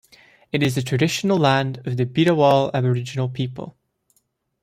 It is the traditional land of the Bidawal Aboriginal people.